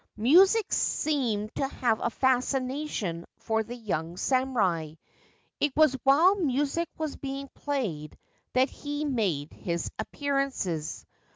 Music seemed to have a fascination for the young samurai. It was while music was being played that he had made his appearances.